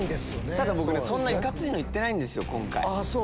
ただ僕そんなイカツイの行ってないんですよ今回。